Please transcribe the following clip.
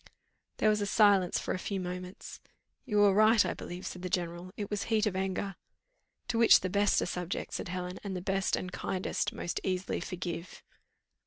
There was silence for a few moments. "You are right, I believe," said the general, "it was heat of anger " "To which the best are subject," said Helen, "and the best and kindest most easily forgive."